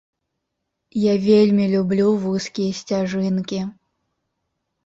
Я вельмі люблю вузкія сцяжынкі.